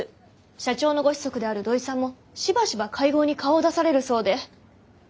社長のご子息である土井さんもしばしば会合に顔を出されるそうで。